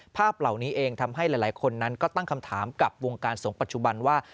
ภาพเหล่านี้เองทำให้หลายคนนั้นก็ตั้งคำถามกับวงการสงฆ์ปัจจุบันว่า